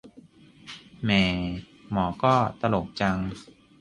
แหม่ หมอก็ ตลกจัง